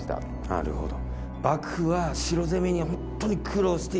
なるほど。